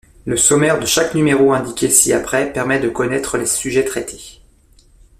Le sommaire de chaque numéro indiqué ci-après permet de connaître les sujets traités.